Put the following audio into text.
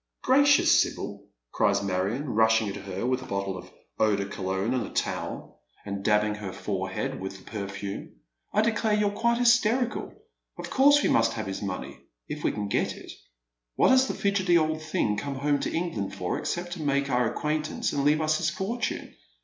" Gracious, Sibyl 1 " cnes Marion, rushing at her with a bottla 66 bead Men's Shoes. of eau de Cologne and a towel, an J dabbing her forehead 'sitl the periume. "I declare you're quite hysterical. Of course w a must have his money — if we can get it. What has the hdgely old thing come home to England for except to make oui acquaintance and leave us his fortune